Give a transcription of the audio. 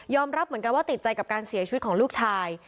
รับเหมือนกันว่าติดใจกับการเสียชีวิตของลูกชาย